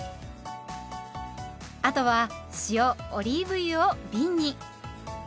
あとは塩オリーブ油をびんに。